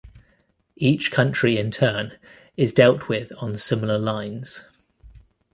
Each country in turn is dealt with on similar lines.